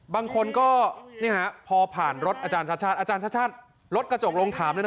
บางคนก็พอผ่านรถอาจารย์ชาติชาติอาจารย์ชาติชาติรถกระจกลงถามเลยนะ